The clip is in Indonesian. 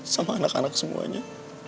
sama anak anak semuanya